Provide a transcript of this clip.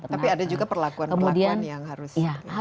tapi ada juga perlakuan perlakuan yang harus